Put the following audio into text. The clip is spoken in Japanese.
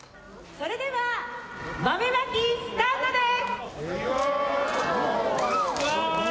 それでは豆まきスタートです。